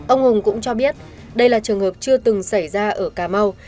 ông hùng cũng cho biết đây là trường hợp chưa từng xảy ra ở cà mau